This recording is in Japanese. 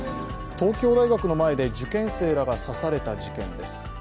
東京大学の前で受験生らが刺された事件です。